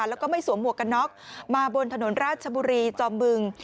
แล้วก็ไม่สวมหมวกกันน็อกมาบนถนนราชบุรีจอมบึง